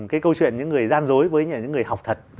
cái câu chuyện những người gian dối với những người học thật